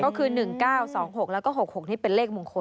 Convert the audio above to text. ก็คือ๑๙๒๖แล้วก็๖๖นี่เป็นเลขมงคล